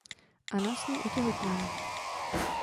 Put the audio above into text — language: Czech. Anna s ním otěhotněla.